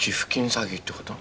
詐欺ってこと？